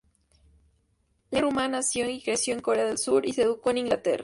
Lee Ru-ma nació y creció en Corea del sur, y se educó en Inglaterra.